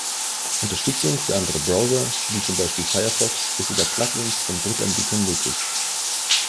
Unterstützung für andere Browser, wie zum Beispiel Firefox, ist über Plugins von Drittanbietern möglich.